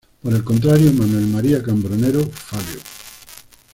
Por el contrario, Manuel María Cambronero, "Fabio".